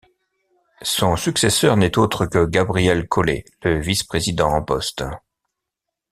Son successeur n'est autre que Gabriel Caullet, le vice-président en poste.